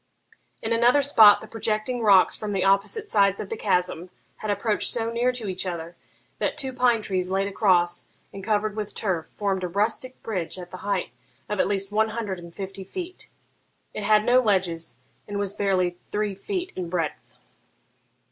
In another spot the projecting rocks from the opposite sides of the chasm had approached so near to each other that two pine trees laid across, and covered with turf, formed a rustic bridge at the height of at least one hundred and fifty feet. It had no ledges, and was barely three feet in breadth.